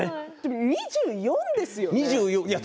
２４歳ですよね。